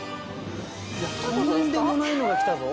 とんでもないのが来たぞ。